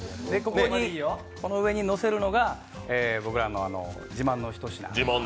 この上にのせるのが僕らの自慢のひと品。